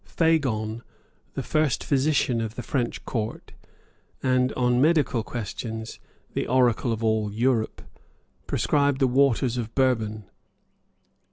Fagon, the first physician of the French Court, and, on medical questions, the oracle of all Europe, prescribed the waters of Bourbon.